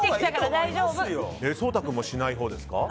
颯太君もしないほうですか？